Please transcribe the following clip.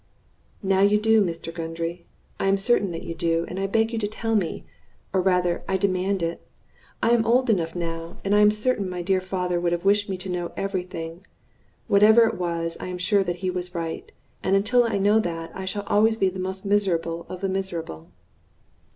"Now you do, Mr. Gundry; I am certain that you do, and beg you to tell me, or rather I demand it. I am old enough now, and I am certain my dear father would have wished me to know every thing. Whatever it was, I am sure that he was right; and until I know that, I shall always be the most miserable of the miserable."